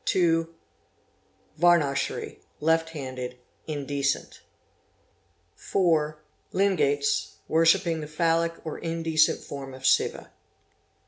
(2) Varnachary—left handed (indecent). 4. Lingaits worshiping the phallic or indecent form of Siva.